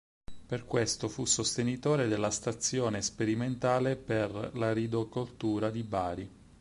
Per questo fu sostenitore della Stazione sperimentale per l'Aridocoltura di Bari.